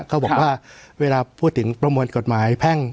เขาบอกว่าเวลาพูดถึงประมวลกฎหมายแพ่ง